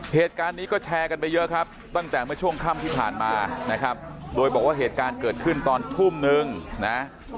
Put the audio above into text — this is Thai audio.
เหตุการณ์นี้ก็แชร์กันไปเยอะครับตั้งแต่เมื่อช่วงค่ำที่ผ่านมานะครับโดยบอกว่าเหตุการณ์เกิดขึ้นตอนทุ่มนึงนะ